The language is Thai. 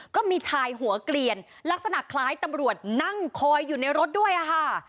ก็มีชายหัวเกลียนลักษณะคล้ายตำรวจนั่งคอยอยู่ในรถด้วยค่ะ